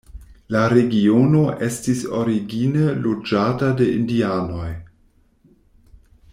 La regiono estis origine loĝata de indianoj.